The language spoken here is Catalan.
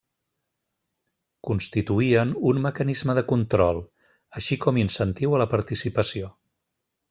Constituïen un mecanisme de control, així com incentiu a la participació.